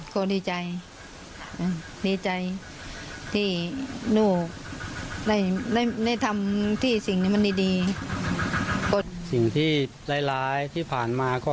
ก็ดีใจดีใจที่ลูกได้ได้ทำที่สิ่งที่มันดีก็สิ่งที่ร้ายที่ผ่านมาก็